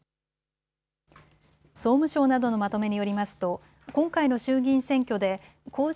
総務省などのまとめによりますと今回の衆議院選挙で公示